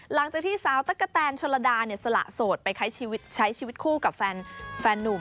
หลังจากที่สาวตั๊กกะแตนชนลดาสละโสดไปใช้ชีวิตคู่กับแฟนนุ่ม